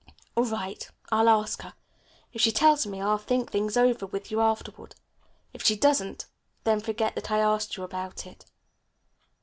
"All right, I'll ask her. If she tells me, I'll talk things over with you afterward. If she doesn't, then forget that I asked you about it."